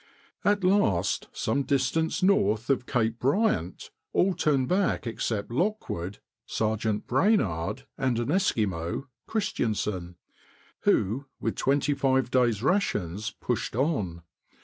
At last, some distance north of Cape Bryant, all turned back except Lockwood, Sergeant Brainard, and an Eskimo, Christiansen, who, with twenty five days' rations, pushed on.